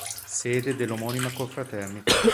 Sede dell'omonima Confraternita.